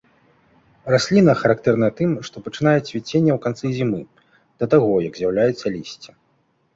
Расліна характэрная тым, што пачынае цвіценне ў канцы зімы да таго, як з'яўляецца лісце.